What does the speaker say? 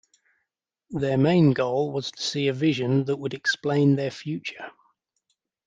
Their main goal was to see a vision that would explain their future.